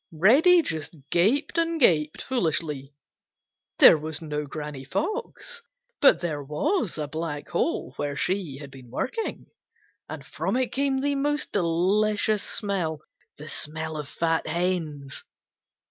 Reddy just gaped and gaped foolishly. There was no Granny Fox, but there was a black hole where she had been working, and from it came the most delicious smell,—the smell of fat hens!